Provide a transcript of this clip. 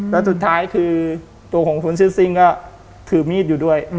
แล้วสุดท้ายคือตัวของคนชื่อซิ่งก็ถือมีดอยู่ด้วย